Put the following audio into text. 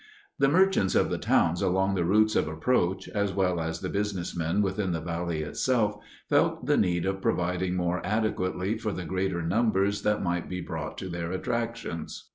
The merchants of the towns along the routes of approach, as well as the businessmen within the valley itself, felt the need of providing more adequately for the greater numbers that might be brought to their attractions.